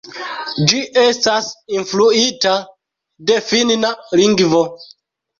Ĝi estas influita de finna lingvo.